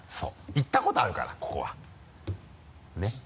行ったことあるからここはねぇ。